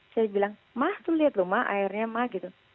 saya bilang ma tuh liat loh ma airnya ma gitu